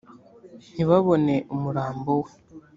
ntibabone umurambo we